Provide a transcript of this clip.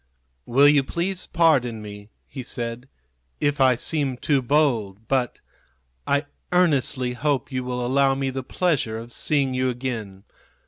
"Will you please pardon me," he said, "if I seem too bold; but I earnestly hope you will allow me the pleasure of seeing you again.